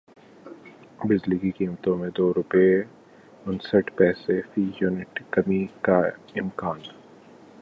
بجلی کی قیمتوں میں دو روپے انسٹھ پیسے فی یونٹ کمی کا امکان